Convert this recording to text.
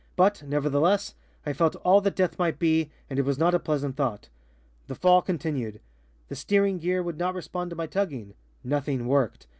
But, nevertheless, I felt all that death might be, and it was not a pleasant thought. The fall continued. The steering gear would not respond to my tugging. Nothing worked.